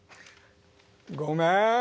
ごめん。